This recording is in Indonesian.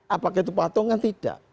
apakah itu patung kan tidak